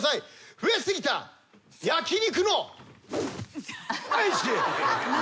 増えすぎた焼肉の部位史。